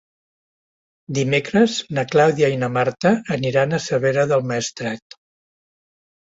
Dimecres na Clàudia i na Marta aniran a Cervera del Maestrat.